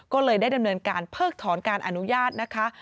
ก็เลยได้ดำเนินการเพิกถอนการอนุญาตนะคะ